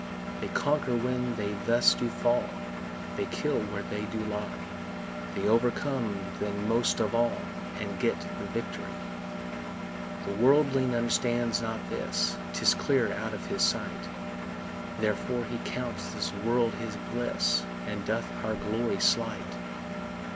They conquer when they thus do fall, They kill when they do die; They overcome then most of all, And get the victory. The worldling understands not this, 'Tis clear out of his sight; Therefore he counts this world his bliss, And doth our glory slight.